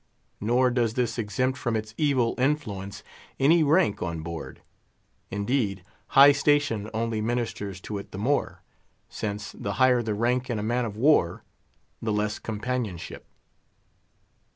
Nor does this exempt from its evil influence any rank on board. Indeed, high station only ministers to it the more, since the higher the rank in a man of war, the less companionship.